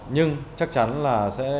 nhưng chắc chắn là sẽ